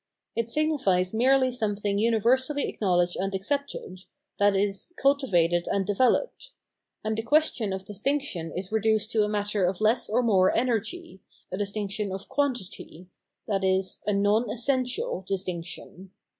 It signifies merely something universally acknowledged and accepted, viz. cultivated and de veloped ; and the question of distinction is reduced to a matter of less or more energy, a distinction of quantity, i.e. a non essential distinction.